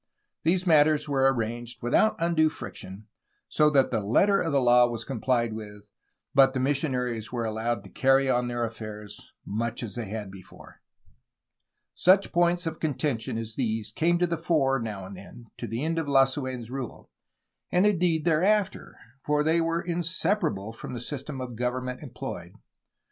These matters were arranged without undue friction, so that the letter of the law was comphed with, but the missionaries were allowed to carry on their affairs much as they had before. Such points of contention as these came to the fore now and then to the end of Lasu6n*s rule, and indeed, thereafter, for they were inseparable from the system of government employed.